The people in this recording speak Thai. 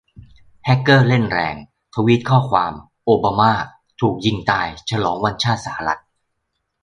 แฮ็กเกอร์เล่นแรง ทวีตข้อความ"โอบามา"ถูกยิงตายฉลองวันชาติสหรัฐ